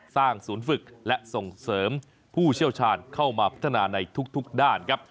ศูนย์ฝึกและส่งเสริมผู้เชี่ยวชาญเข้ามาพัฒนาในทุกด้านครับ